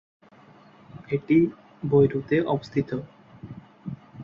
এটি বৈরুতে অবস্থিত।